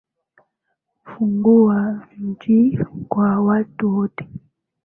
Kufungua njia kwa watu wote